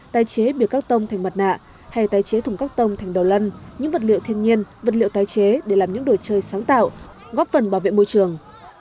tái chế bìa cắt tông thành mặt nạ hay tái chế thùng các tông thành đầu lân những vật liệu thiên nhiên vật liệu tái chế để làm những đồ chơi sáng tạo góp phần bảo vệ môi trường